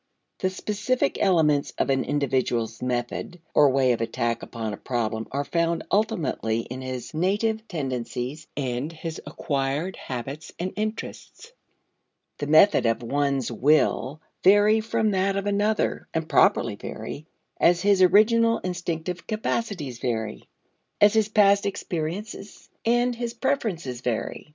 The specific elements of an individual's method or way of attack upon a problem are found ultimately in his native tendencies and his acquired habits and interests. The method of one will vary from that of another (and properly vary) as his original instinctive capacities vary, as his past experiences and his preferences vary.